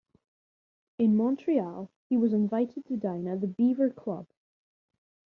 In Montreal, he was invited to dine at the Beaver Club.